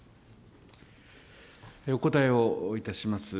お答えをいたします。